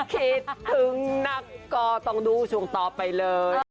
คิดถึงนักก็ต้องดูช่วงต่อไปเลย